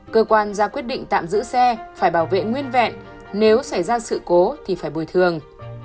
cơ quan ra quyết định tạm giữ xe phải bảo vệ nguyên vẹn nếu xảy ra sự cố thì phải bồi thường